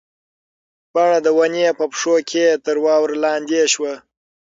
پاڼه د ونې په پښو کې تر واورو لاندې شوه.